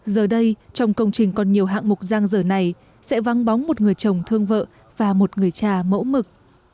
giờ đây trong công trình còn nhiều hạng mục giang dở này sẽ vang bóng một người chồng thương vợ và một người cha mẫu mực